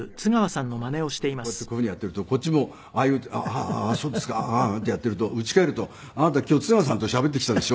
こうやってこういう風にやってるとこっちも「ああそうですか」ってやってるとうち帰ると「あなた今日津川さんとしゃべってきたでしょ？」